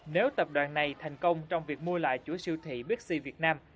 nếu tập đoàn này thành công trong việc mua lại chuỗi siêu thị bixi việt nam